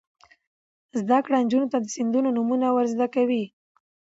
زده کړه نجونو ته د سیندونو نومونه ور زده کوي.